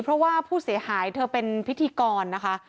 เพราะว่าผู้เสียหายเธอเป็นพิธีกรนะคะ